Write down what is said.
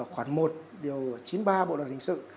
khoảng một điều chín mươi ba bộ đoàn thình sự